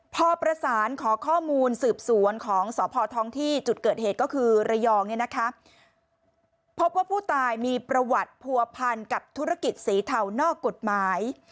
พอประสานขอข้อมูลสืบสวนของสพท้องที่จุดเกิดเหตุก็คือระยองเนี่ยนะคะพบว่าผู้ตายมีประวัติผัวพันกับธุรกิจสีเทานอกกฎหมาย